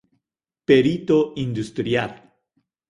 Perito industrial.